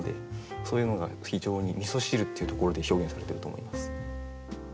そういうのが非常に「味汁」っていうところで表現されてると思います。